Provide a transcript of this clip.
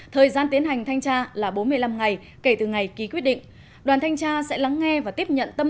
thời gian tiến hành thanh tra là bốn mươi năm ngày kể từ ngày ký quyết định